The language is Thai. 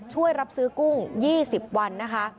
ช่วยรับซื้อกุ้ง๒๐วันนะคะ